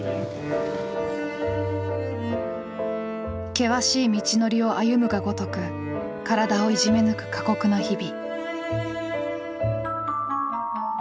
険しい道のりを歩むがごとく体をいじめ抜く過酷な日々。